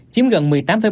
chiếm gần một mươi tám ba